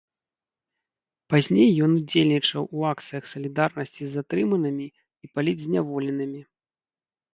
Пазней ён удзельнічаў у акцыях салідарнасці з затрыманымі і палітзняволенымі.